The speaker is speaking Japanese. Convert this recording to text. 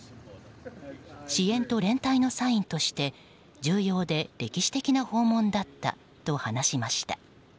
支援と連帯のサインとして重要で歴史的な訪問だったと話しました。